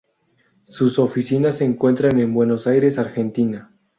Sus oficinas se encuentran en Buenos Aires, Argentina.